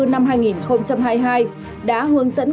năm hai nghìn hai mươi hai đã hướng dẫn